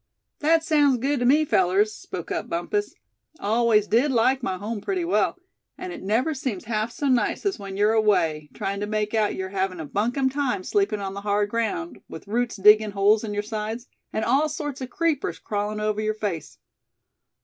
"That sounds good to me, fellers," spoke up Bumpus. "Always did like my home pretty well, and it never seems half so nice as when you're away, trying to make out you're having a bunkum time sleeping on the hard ground, with roots diggin' holes in your sides; and all sorts of creepers crawlin' over your face.